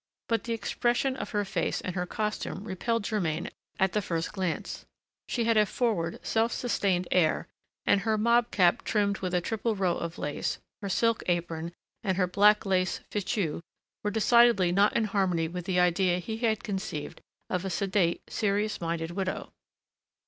But the expression of her face and her costume repelled Germain at the first glance. She had a forward, self satisfied air, and her mob cap trimmed with a triple row of lace, her silk apron, and her black lace fichu were decidedly not in harmony with the idea he had conceived of a sedate, serious minded widow.